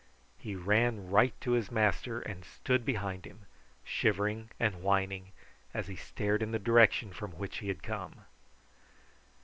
He ran right to his master and stood behind him, shivering and whining, as he stared in the direction from which he had come.